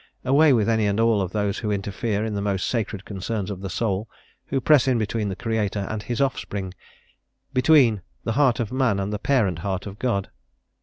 Away with any and all of those who interfere in the most sacred concerns of the soul, who press in between the Creator and His offspring; between the heart of man and the parent Heart of God.